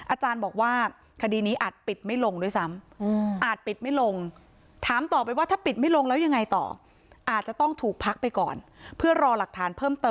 อาจารย์บอกว่าคดีนี้อาจปิดไม่ลงด้วยซ้ำ